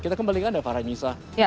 kita kembalikan ke anda farah nyisa